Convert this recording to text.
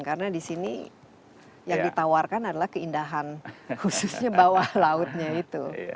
karena disini yang ditawarkan adalah keindahan khususnya bawah lautnya itu